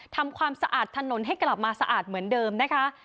ทำความสะอาดถนนให้กลับมาสะอาดเหมือนเดิมนะคะ